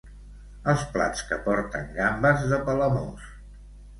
Els plats que porten gambes de Palamós.